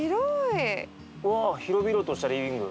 うわ広々としたリビング。